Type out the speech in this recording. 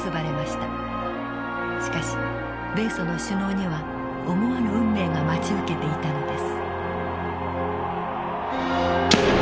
しかし米ソの首脳には思わぬ運命が待ち受けていたのです。